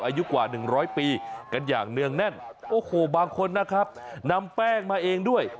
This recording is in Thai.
อายุกว่าหนึ่งร้อยปีกันอย่างเนื่องแน่นโอ้โหบางคนนะครับนำแป้งมาเองด้วย